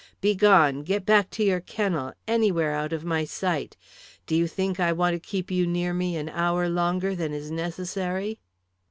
Begone, get back to your kennel, anywhere out of my sight. Do you think I want to keep you near me an hour longer than is necessary?"